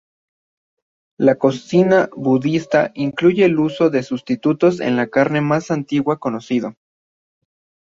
La cocina budista incluye el uso de sustitutos de carne más antiguo conocido.